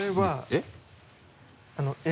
えっ。